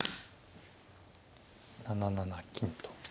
７七金と。